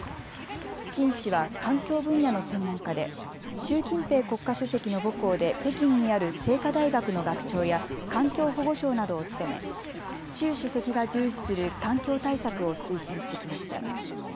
陳氏は環境分野の専門家で習近平国家主席の母校で北京にある清華大学の学長や環境保護相などを務め習主席が重視する環境対策を推進してきました。